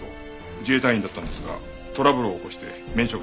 自衛隊員だったんですがトラブルを起こして免職処分。